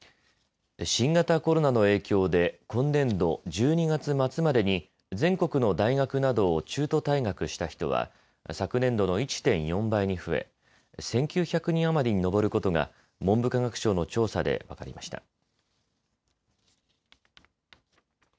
新型コロナの影響で今年度１２月末までに全国の大学などを中途退学した人は昨年度の１．４倍に増え１９００人余りに上ることが文部科学省の調査で分かりました。